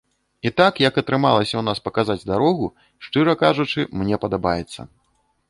І так як атрымалася ў нас паказаць дарогу, шчыра кажучы, мне падабаецца.